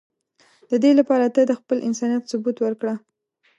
د دی لپاره ته د خپل انسانیت ثبوت ورکړه.